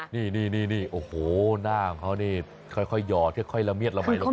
นี่โอ้โหหน้าของเขานี่ค่อยหอดค่อยละเมียดละมัยลงไป